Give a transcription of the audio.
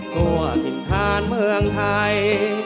ทั่วถิ่นฐานเมืองไทย